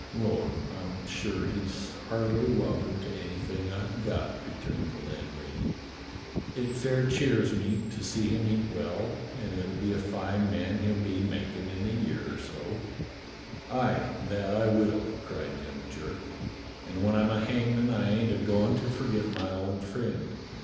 "Lor', I'm sure he's heartily welcome to anything I've got," returned the landlady. "It fair cheers me up to see him eat well, and it'll be a fine man he'll be making in a year or so." "Aye, that I will," cried young Jerk; "and when I'm a hangman I ain't a goin' to forget my old friend.